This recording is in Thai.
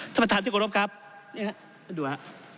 ท่านประธานที่กรบครับนี่ครับดูนะครับ